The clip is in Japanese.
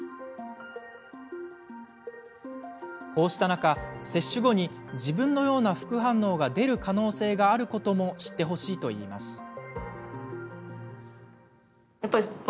こうした中、接種後に自分のような副反応が出る可能性があることも知ってほしいといいます。